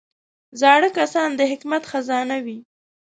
زاړه کسان د حکمت خزانه وي